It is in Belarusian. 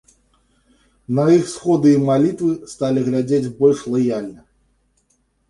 На іх сходы і малітвы сталі глядзець больш лаяльна.